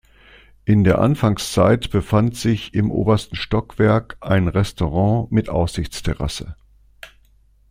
In der Anfangszeit befand sich im obersten Stockwerk ein Restaurant mit Aussichtsterrasse.